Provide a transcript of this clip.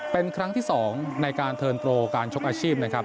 เป็นครั้งที่๒ในการเทิร์นโปรการชกอาชีพนะครับ